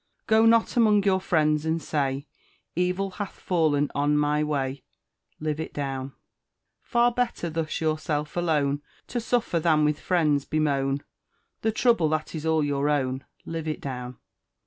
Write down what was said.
Go not among your friends and say, Evil hath fallen on my way: Live it down! Far better thus yourself alone To suffer, than with friends bemoan The trouble that is all your own: Live it down!